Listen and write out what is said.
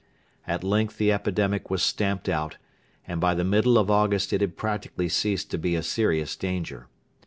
At length the epidemic was stamped out, and by the middle of August it had practically ceased to be a serious danger.